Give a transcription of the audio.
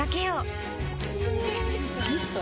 ミスト？